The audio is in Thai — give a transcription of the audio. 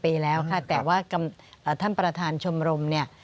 ปีแล้วค่ะแต่ว่าท่านประธานชมรมเนี่ย